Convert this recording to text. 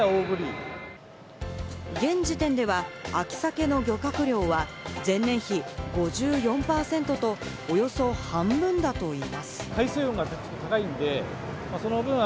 現時点では秋サケの漁獲量は前年比５４％とおよそ半分だといいます。